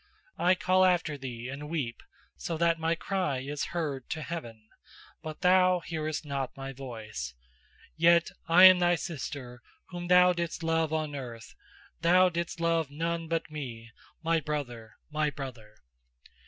... I call after thee and weep, so that my cry is heard to heaven, but thou hearest not my voice; yet am I thy sister, whom thou didst love on earth; thou didst love none but me, my brother! my brother!"